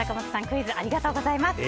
クイズありがとうございます。